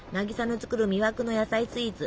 渚の作る魅惑の野菜スイーツ